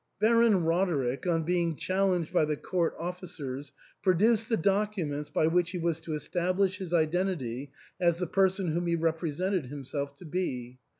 Baron Roderick, on being challenged by the court officers, produced the documents by which he was to establish his identity as the person whom he repre sented himself to be.